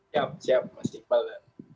siap siap mas dipel